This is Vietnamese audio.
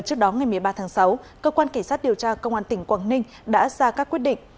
trước đó ngày một mươi ba tháng sáu cơ quan cảnh sát điều tra công an tỉnh quảng ninh đã ra các quyết định